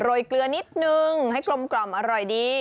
โรยเกลือนิดนึงให้กลมอร่อยดี